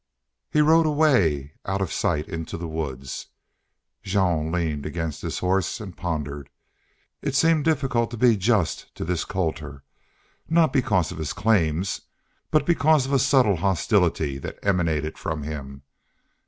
He rode away out of sight into the woods. Jean leaned against his horse and pondered. It seemed difficult to be just to this Colter, not because of his claims, but because of a subtle hostility that emanated from him.